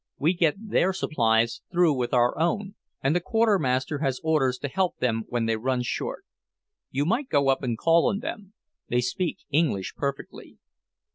We get their supplies through with our own, and the quartermaster has orders to help them when they run short. You might go up and call on them. They speak English perfectly."